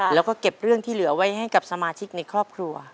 แล้วก็เก็บเรื่องที่เหลือไว้ให้กับสมาชิกในครอบครัว